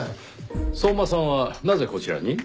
相馬さんはなぜこちらに？